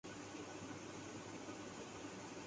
ماہ میر کی ناکامی کے سوال پر انجم شہزاد برہم